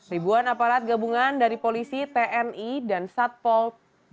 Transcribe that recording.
ribuan aparat gabungan dari polisi tni dan satpol